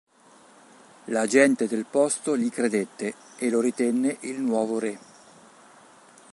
La gente del posto gli credette e lo ritenne il nuovo re.